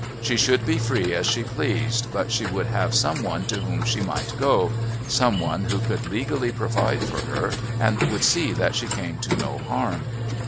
She should be free as she pleased, but she would have some one to whom she might go, some one who could legally provide for her and would see that she came to no harm.